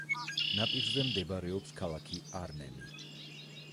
ნაპირზე მდებარეობს ქალაქი არნემი.